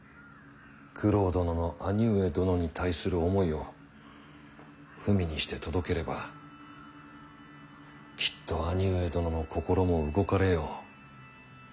九郎殿の兄上殿に対する思いを文にして届ければきっと兄上殿の心も動かれよう。